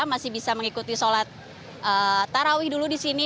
masih bisa mengikuti sholat tarawih dulu di sini